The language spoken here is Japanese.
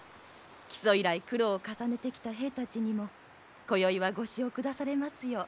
木曽以来苦労を重ねてきた兵たちにもこよいはご酒を下されますよう。